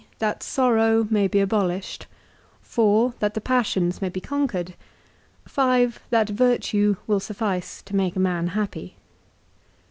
That sorrow may be abolished. 4. That the passions may be conquered. 5. That virtue will suffice to make a man happy.